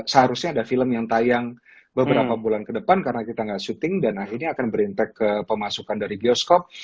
seharusnya ada film yang tayang beberapa bulan ke depan karena kita nggak syuting dan akhirnya akan berintek ke pemasukan dari bioskop